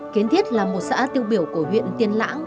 kiến thiết là một xã tiêu biểu của huyện tiên lãng